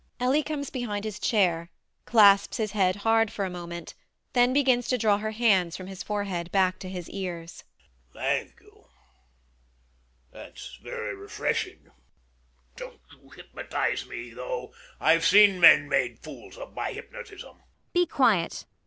[Ellie comes behind his chair; clasps his head hard for a moment; then begins to draw her hands from his forehead back to his ears]. Thank you. [Drowsily]. That's very refreshing. [Waking a little]. Don't you hypnotize me, though. I've seen men made fools of by hypnotism. ELLIE [steadily]. Be quiet.